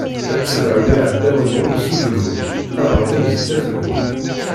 Ad tebɛem iɛdawen-nwen s ujenwi, ad ɣellin zdat-nwen.